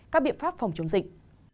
các biện pháp phòng chống dịch